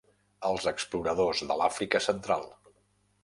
Els exploradors de l'Àfrica central.